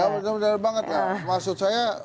gak menderita menderita banget maksud saya